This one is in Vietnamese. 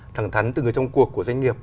thẳng thắn từ người trong cuộc của doanh nghiệp